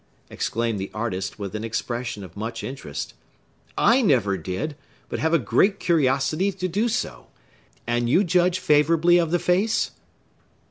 exclaimed the artist, with an expression of much interest. "I never did, but have a great curiosity to do so. And you judge favorably of the face?"